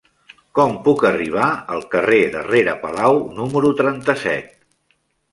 Com puc arribar al carrer de Rere Palau número trenta-set?